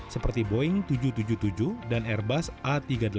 seperti boeing tujuh ratus tujuh puluh tujuh dan airbus a tiga ratus delapan puluh